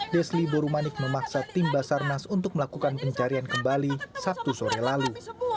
desli borumanik memaksa tim basarnas untuk melakukan pencarian kembali sabtu sore lalu